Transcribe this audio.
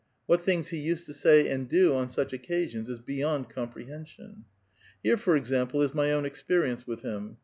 What things he used to say and do on such occasions is beyond comprehension. Here, for example, is my own experience with him.